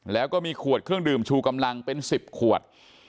แล้วก็มีขวดเครื่องดื่มชูกำลังเป็น๑๐ขวด